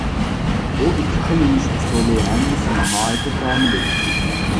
بۇ ئىككى خىل يېيىش ئۇسۇلى ھەممىسى ناھايىتى تەملىك.